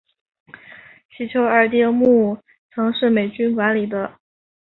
西丘二丁目曾是美军管理的。